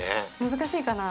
難しいかな？